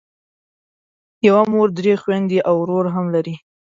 یوه مور درې خویندې او ورور هم لرم.